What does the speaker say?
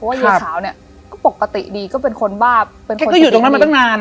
เพราะว่าเย้ขาวเนี้ยก็ปกติดีก็เป็นคนบ้าแกก็อยู่ตรงนั้นไม่ต้องนาน